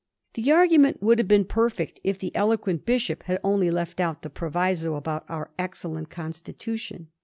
The argument would have been perfect if the elo quent bishop had only left out the proviso about *our excellent constitution.'